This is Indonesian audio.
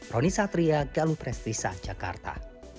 roni satria galuh prestisa jakarta